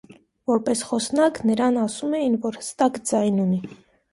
Որպես խոսնակ, նրան ասում էին, որ հստակ ձայն ունի։